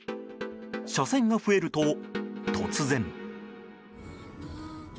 車線が増えると、突然。